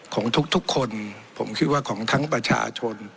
ของทุกคนผมคิดว่าของทั้งประชาชน